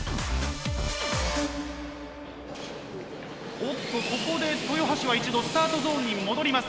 おっとここで豊橋は一度スタートゾーンに戻ります。